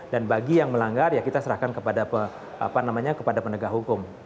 dan bagi yang melanggar ya kita serahkan kepada penegak hukum